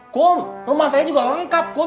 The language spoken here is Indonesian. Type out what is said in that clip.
kum rumah saya juga lengkap kum